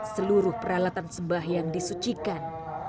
seluruh peralatan sembah yang disucikan